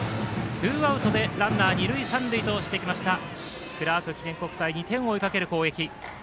ツーアウトでランナー、二塁三塁としてきましたクラーク記念国際２点を追いかける攻撃。